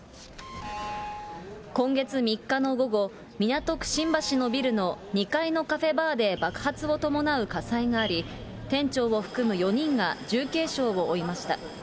今月３日の午後、港区新橋のビルの２階のカフェバーで爆発を伴う火災があり、店長を含む４人が重軽傷を負いました。